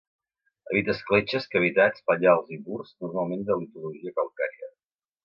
Habita escletxes, cavitats, penyals i murs, normalment de litologia calcària.